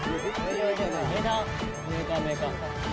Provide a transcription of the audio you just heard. メーカーメーカー。